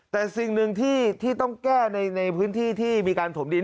แต่สิ่งหนึ่งที่ต้องแก้ในพื้นที่ที่มีการถมดิน